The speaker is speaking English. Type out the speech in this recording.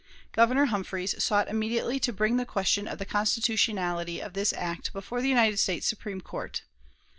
Governor Humphreys sought immediately to bring the question of the constitutionality of this act before the United States Supreme Court.